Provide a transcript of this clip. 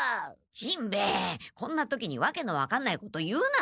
しんべヱこんな時にわけの分かんないこと言うな。